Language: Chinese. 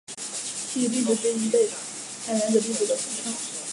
奇异粒子是一类亚原子粒子的统称。